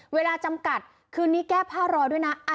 เวลาจำกัดคืนนี้แก้ผ้ารอด้วยนะ